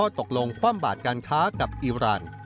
ข้อตกลงความบาดการค้ากับอิรัน